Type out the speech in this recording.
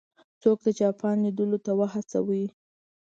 څوک د جاپان لیدلو ته وهڅوي.